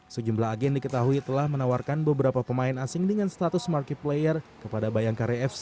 sejumlah agen diketahui telah menawarkan beberapa pemain asing dengan status markiplayer kepada bayangkara fc